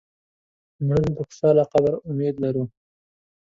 مړه ته د خوشاله قبر امید لرو